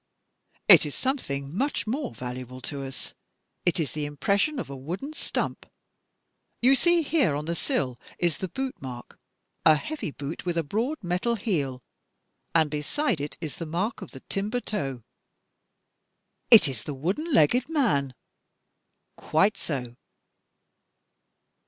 '' It is something much more valuable to us. It is the impression of a wooden stump. You see here on the sill is the boot mark, a heavy boot with a broad metal heel, and beside it is the mark of the timber toe." "It is the wooden legged man." "Quite so."